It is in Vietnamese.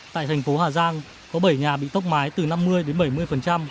tại thành phố hà giang có bảy nhà bị tốc mái từ năm mươi đến bảy mươi